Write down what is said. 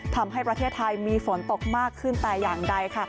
ทำให้ประเทศไทยมีฝนตกมากขึ้นแต่อย่างใดค่ะ